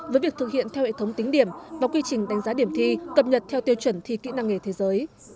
với việc thực hiện theo hệ thống tính điểm và quy trình đánh giá điểm thi cập nhật theo tiêu chuẩn thi kỹ năng nghề thế giới